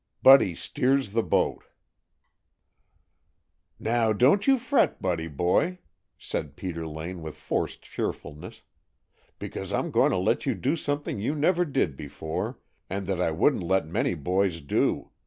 BUDDY STEERS THE BOAT "NOW, don't you fret, Buddy boy," said Peter Lane with forced cheerfulness, "because I'm going to let you do something you never did before, and that I wouldn't let many boys do.